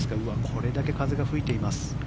これだけ風が吹いています。